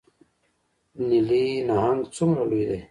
نیلي نهنګ څومره لوی دی؟